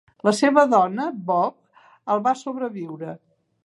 La seva dona, Bobbe, el va sobreviure.